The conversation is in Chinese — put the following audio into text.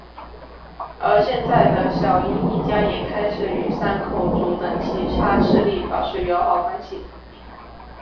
而现在的小樱一家也开始与山口组等其他势力保持友好关系。